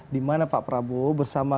di mana pak prabowo bersama